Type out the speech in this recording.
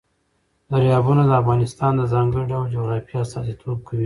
دریابونه د افغانستان د ځانګړي ډول جغرافیه استازیتوب کوي.